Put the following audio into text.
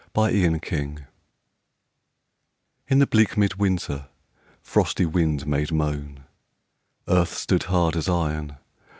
ROSSETTI In the bleak mid winter Frosty wind made moan. Earth stood hard as iron